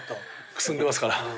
くすんでますから。